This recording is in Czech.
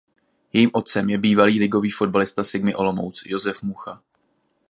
Jejím otcem je bývalý ligový fotbalista Sigmy Olomouc Josef Mucha.